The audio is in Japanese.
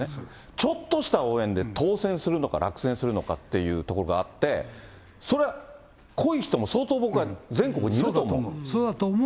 ちょっとした応援で当選するのか落選するのかっていうところがあって、そりゃ、濃い人も相当僕は全国にいると思う。